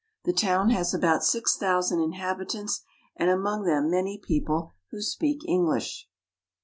The town ^^1 has about six thousand inhabitants, and among them many ^^H people who speak English.